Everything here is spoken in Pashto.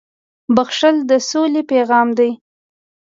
• بښل د سولې پیغام دی.